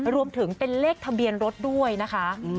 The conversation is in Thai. รวมถึงเป็นเลขทะเบียนรถด้วยนะคะ